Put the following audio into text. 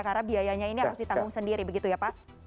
karena biayanya ini harus ditanggung sendiri begitu ya pak